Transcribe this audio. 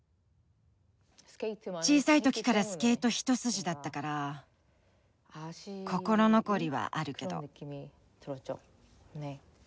小さい時からスケート一筋だったから心残りはあるけど。